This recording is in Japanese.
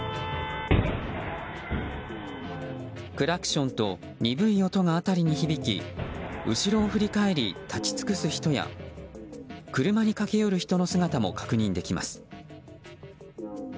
クラクションと鈍い音が辺りに響き後ろを振り返り、立ち尽くす人や車に駆け寄る人の姿も確認できます。